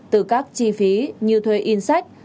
từ các chi phí như thuê in sách